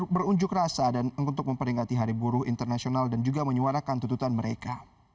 berunjuk rasa dan untuk memperingati hari buruh internasional dan juga menyuarakan tututan mereka